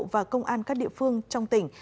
và công an các địa phương trong tỉnh